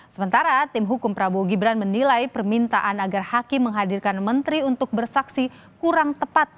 sementara tim hukum prabowo gibran menilai permintaan agar hakim menghadirkan menteri untuk bersaksi kurang tepat